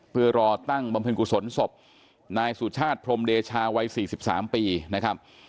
เพื่อรอตั้งบำเพ็ญกุศลศพนายสุชาติพรมเดชาวัย๔๓ปีนะครับ